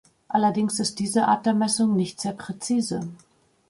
Allerdings ist diese Art der Messung nicht sehr präzise.